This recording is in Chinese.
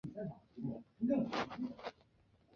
这是一个以荷兰语为官方语言的国家和地区的列表。